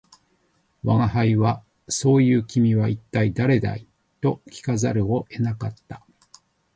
吾輩は「そう云う君は一体誰だい」と聞かざるを得なかった